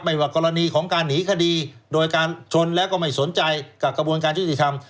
ว่ากรณีของการหนีคดีโดยการชนแล้วก็ไม่สนใจกับกระบวนการยุติธรรม